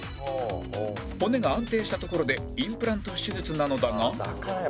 骨が安定したところでインプラント手術なのだが